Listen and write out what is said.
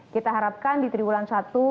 kita harapkan di triwulan satu